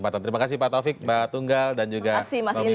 terima kasih pak taufik mbak tunggal dan juga tommy